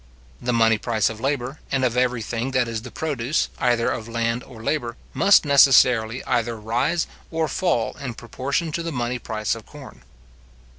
The money price of labour, and of every thing that is the produce, either of land or labour, must necessarily either rise or fall in proportion to the money price of corn.